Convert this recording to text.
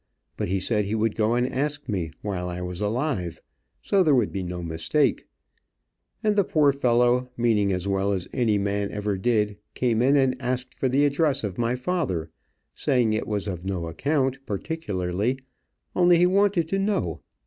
but he said he would go and ask me, while I was alive, so there would be no mistake, and the poor fellow, meaning as well as any man ever did, came in and asked for the address of my father, saying it was of no account, particularly, only he wanted to know.